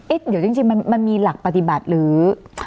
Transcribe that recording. เดี๋ยวจริงมันมีหลักปฏิบัติหรือ